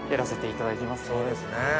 そうですね。